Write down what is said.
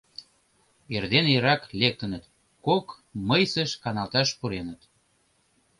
Эрдене эрак лектыныт, кок мыйсыш каналташ пуреныт.